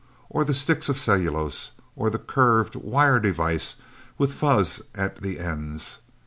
Or the sticks of cellulose, or the curved, wire device with fuzz at the ends?